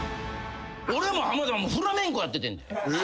俺も浜田もフラメンコやっててんで。